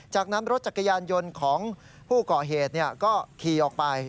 จากนั้นรถจักรยานยนต์ของผู้ก่อเหตุก็ขี่ออกไป